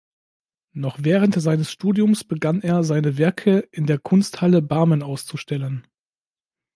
Noch während seines Studiums begann er, seine Werke in der Kunsthalle Barmen auszustellen.